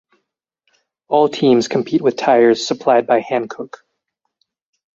All teams compete with tyres supplied by Hankook.